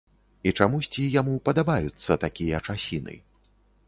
І чамусьці яму падабаюцца такія часіны.